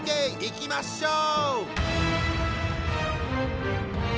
いきましょう！